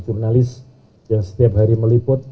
jurnalis yang setiap hari meliput